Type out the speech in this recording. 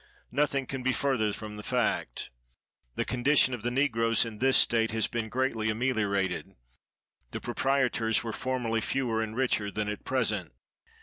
Nothing can be further from the fact. The condition of the negroes in this state has been greatly ameliorated. The proprietors were formerly fewer and richer than at present.